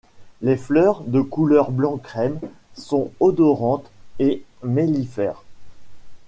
Les fleurs, de couleur blanc crème, sont odorantes et mellifères.